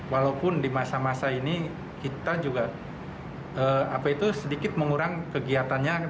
walaupun di masa masa ini kita juga sedikit mengurangi kegiatannya